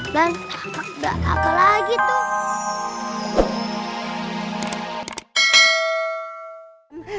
lan ada apa lagi tuh